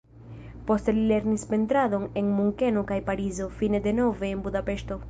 Poste li lernis pentradon en Munkeno kaj Parizo, fine denove en Budapeŝto.